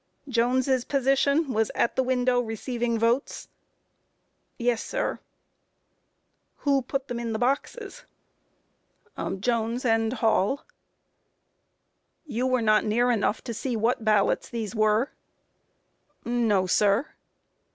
Q. Jones' position was at the window receiving votes? A. Yes, sir. Q. Who put them in the boxes? A. Jones and Hall. Q. You were not near enough to see what these ballots were? A. No, sir. Q.